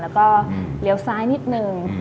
แล้วก็เลี้ยวซ้ายนิดนึง